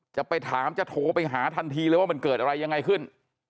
จะไปถามจะโทรไปหาทันทีเลยว่ามันเกิดอะไรยังไงขึ้น